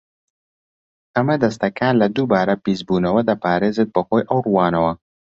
ئەمە دەستەکان لە دووبارە پیسبوونەوە دەپارێزێت بەهۆی ئەو ڕووانەوە.